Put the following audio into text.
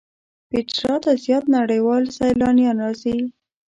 پېټرا ته زیات نړیوال سیلانیان راځي.